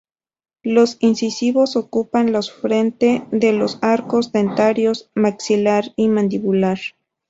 Los incisivos ocupan los frente de los arcos dentarios maxilar y mandibular.